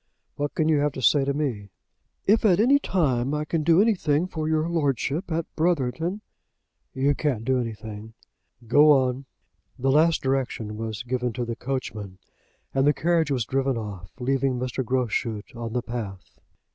What can you have to say to me?" "If at any time I can do anything for your Lordship at Brotherton " "You can't do anything. Go on." The last direction was given to the coachman, and the carriage was driven off, leaving Mr. Groschut on the path.